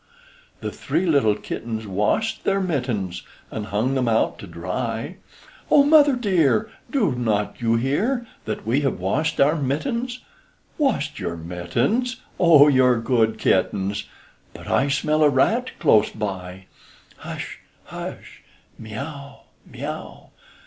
The three little kittens washed their mittens, And hung them out to dry; O mother dear, Do not you hear, That we have washed our mittens? Washed your mittens! O, you're good kittens. But I smell a rat close by; Hush! hush! mee ow, mee ow.